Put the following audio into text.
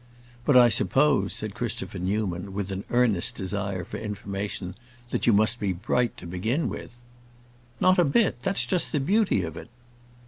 "But I suppose," said Christopher Newman, with an earnest desire for information, "that you must be bright to begin with." "Not a bit; that's just the beauty of it."